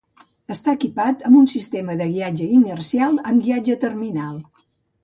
Està equipat amb un sistema de guiatge inercial amb guiatge terminal.